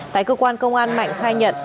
tại cơ quan công an mạnh khai nhận